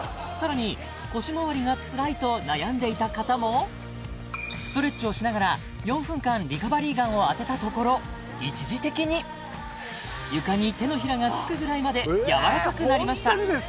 さらに腰まわりがつらいと悩んでいた方もストレッチをしながら４分間リカバリーガンを当てたところ一時的に床に手のひらがつくぐらいまでやわらかくなりました